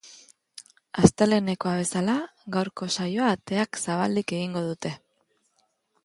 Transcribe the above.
Astelehenekoa bezala, gaurko saioa ateak zabalik egingo dute.